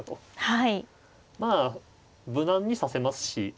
はい。